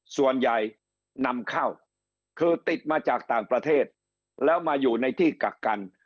ส่วนใหญ่นำเข้าคือติดมาจากต่างประเทศแล้วมาอยู่ในที่กักกัน